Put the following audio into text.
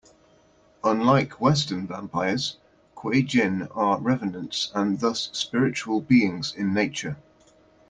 Unlike Western vampires, Kuei-jin are revenants and thus spiritual beings in nature.